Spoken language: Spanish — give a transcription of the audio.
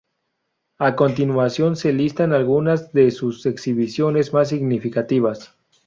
A continuación se listan algunas de sus exhibiciones más significativas.